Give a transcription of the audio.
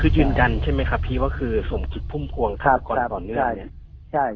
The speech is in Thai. คือยืนยันใช่ไหมครับพี่ว่าคือสมจิตพุ่มพวงฆาตกรต่อเนื่องเนี่ยใช่